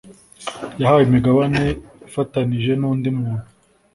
Yahawe imigabane ifatanije n’undi muntu